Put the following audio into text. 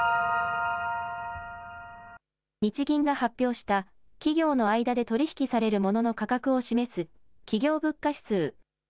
日銀が発表した企業の間で取り引きされるモノの価格を示す企業物価指数。